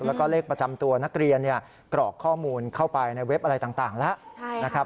แล้วก็เลขประจำตัวนักเรียนกรอกข้อมูลเข้าไปในเว็บอะไรต่างแล้วนะครับ